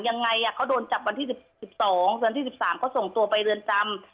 ยังไงเขาโดนจับวันที่๑๒วันที่๑๓เขาส่งตัวไปเรือนจำ